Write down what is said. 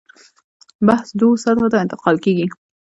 بحث دوو سطحو ته انتقال کېږي.